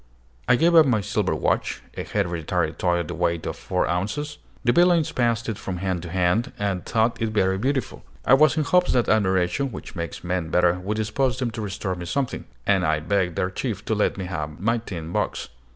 I gave up my silver watch, a hereditary toy of the weight of four ounces. The villains passed it from hand to hand, and thought it very beautiful. I was in hopes that admiration, which makes men better, would dispose them to restore me something, and I begged their chief to let me have my tin box.